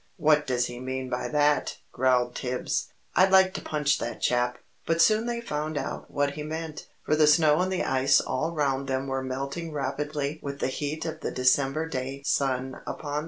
"What does he mean by that?" growled Tibbs. "I'd like to punch that chap!" But they soon found out what he meant. For the snow and the ice all round them were melting rapidly with the heat of the December day sun upon it.